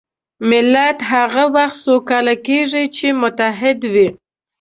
ملت هغه وخت سوکاله کېږي چې متحد وي.